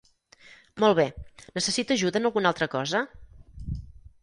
Molt bé, necessita ajuda en alguna altra cosa?